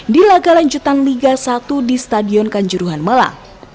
di laga lanjutan liga satu di stadion kanjuruhan malang